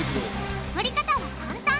作り方は簡単！